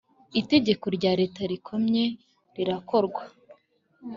itegeko rya Leta rikomye rirakorwa